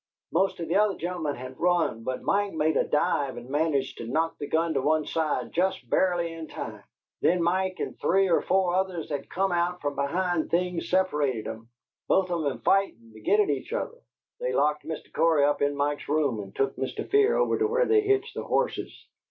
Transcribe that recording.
Most of the other gen'lemen had run, but Mike made a dive and managed to knock the gun to one side, jest barely in time. Then Mike and three or four others that come out from behind things separated 'em both of 'em fightin' to git at each other. They locked Mr. Cory up in Mike's room, and took Mr. Fear over to where they hitch the horses.